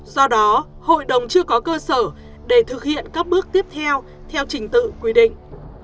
do đó hội đồng chưa có cơ sở để thực hiện các bước tiếp theo theo trình tự quy định